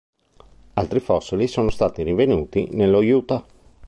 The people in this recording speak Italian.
Altri fossili sono stati rinvenuti nello Utah.